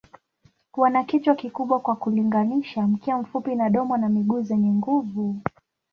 Wana kichwa kikubwa kwa kulinganisha, mkia mfupi na domo na miguu zenye nguvu.